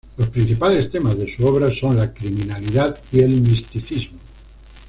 Los principales temas de su obra son la criminalidad y el misticismo.